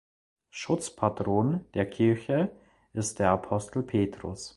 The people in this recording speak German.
Schutzpatron der Kirche ist der Apostel Petrus.